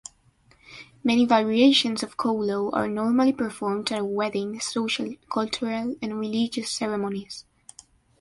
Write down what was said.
Many variations of Kolo are normally performed at weddings, social, cultural, and religious ceremonies.